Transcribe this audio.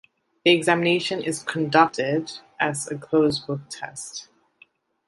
The examination is conducted as a closed-book test.